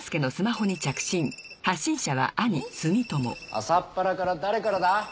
朝っぱらから誰からだ？